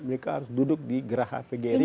mereka harus duduk di geraha pgeri